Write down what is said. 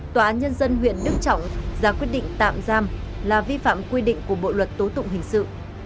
tòa án nhân dân huyện đức trọng ra quyết định tạm giam là vi phạm quy định của bộ luật tố tụng hình sự